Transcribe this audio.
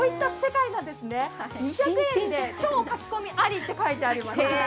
２００円で超書き込みありって書いてあります。